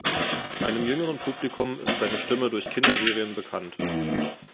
Einem jüngeren Publikum ist seine Stimme durch Kinderserien bekannt.